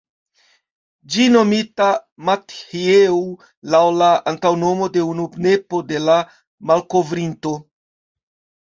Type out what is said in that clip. Ĝi nomita ""Mathieu"", laŭ la antaŭnomo de unu nepo de la malkovrinto.